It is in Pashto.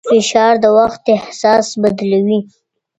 فشار د وخت احساس بدلوي.